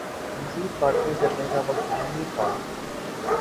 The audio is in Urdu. مزید باتیں کرنے کا وقت نہیں تھا